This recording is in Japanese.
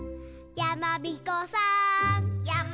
「やまびこさーん」